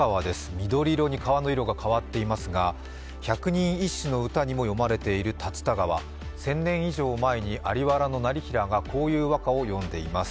緑色に川の色が変わっていますが百人一首の歌にも詠まれている竜田川、１０００年以上前に在原業平がこういう和歌を詠んでいます。